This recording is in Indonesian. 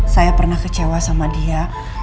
saya pernah kecewa sama dia